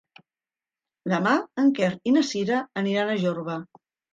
Demà en Quer i na Sira aniran a Jorba.